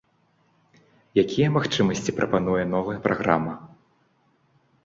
Якія магчымасці прапануе новая праграма?